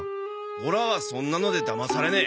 オラはそんなのでだまされねえ。